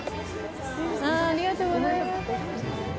ありがとうございます。